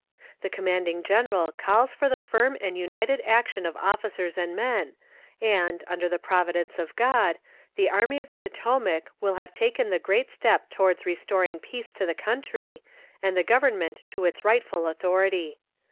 The Commanding General calls for the firm and united action of officers and men, and, under the providence of God, the Army of the Potomac will have taken the great step towards restoring peace to the country, and the Government to its rightful authority.